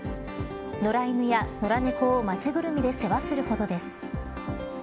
野良犬や野良猫を街ぐるみで世話するほどです。